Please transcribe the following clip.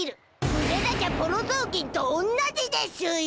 売れなきゃボロぞうきんとおんなじでしゅよ！